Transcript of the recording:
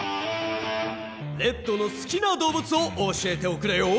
レッドのすきなどうぶつを教えておくれよ！